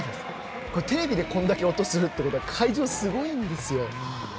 テレビでこれだけ音がするってことは会場、すごいんですよ。